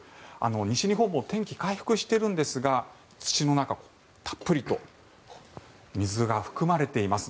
西日本も天気、回復しているんですが土の中、たっぷりと水が含まれています。